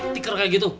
tiker kayak gitu